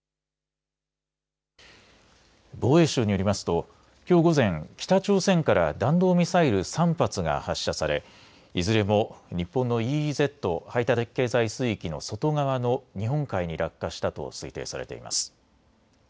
防衛省によりますときょう午前北朝鮮から弾道ミサイル３発が発射されいずれも日本のＥＥＺ＝排他的経済水域の外側の日本海に落下したと推定されています。